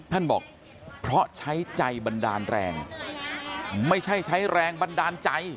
ท่านบอกเพราะใช้ใจบันดาลแรงไม่ใช่ใช้แรงบันดาลใจ